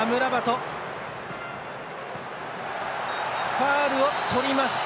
ファウルをとりました。